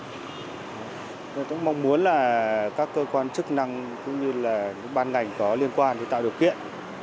tôi cũng mong muốn các cơ quan chức năng cũng như ban ngành có liên quan tạo điều kiện